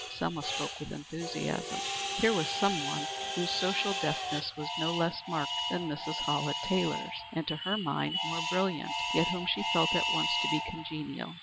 Selma spoke with enthusiasm. Here was some one whose social deftness was no less marked than Mrs. Hallett Taylor's, and, to her mind, more brilliant, yet whom she felt at once to be congenial.